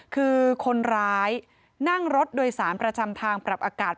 คือคนร้ายนั่งรถโดยสารประจำทางปรับอากาศ